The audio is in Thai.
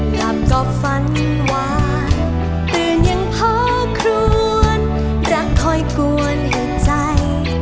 หลับก็ฟันหวานตื่นยังเพราะครวญรักคอยกวนหัวใจ